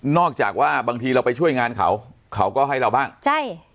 จากว่าบางทีเราไปช่วยงานเขาเขาก็ให้เราบ้างใช่